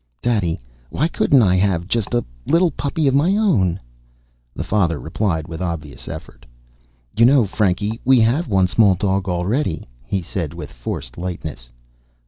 "Daddy, why couldn't I have just a little puppy of my own?" The father replied with obvious effort. "You know, Frankie, we have one small dog already," said he with forced lightness.